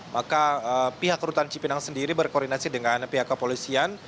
maka pihak rutan cipinang sendiri berkoordinasi dengan pihak kepolisian